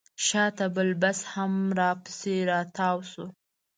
شاته بل بس هم راپسې راتاو شو.